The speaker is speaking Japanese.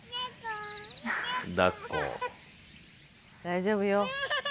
大丈夫よ。